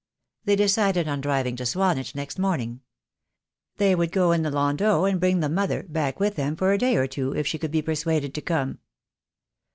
They decided on driving to Swanage next morning. They would go in the landau, and bring "the mother" back with them for a day or two, if she could be per suaded to come.